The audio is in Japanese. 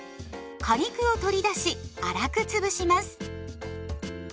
果肉を取り出し粗くつぶします。